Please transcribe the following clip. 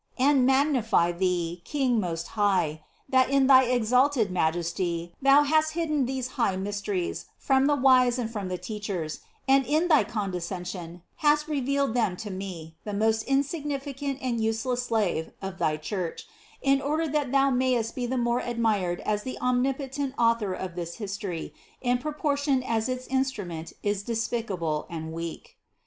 11, 25) and magnify Thee, King Most High, that in thy exalted Majesty Thou hast hidden these high mysteries from the wise and from the teachers, and in thy condescension hast revealed them to me, the most insignificant and useless slave of thy Church, in order that Thou mayest be the more admired as the omnipotent Author of this history in proportion as its instrument is despicable and weak.